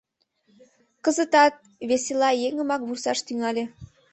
Кызытат «весела» еҥымак вурсаш тӱҥале.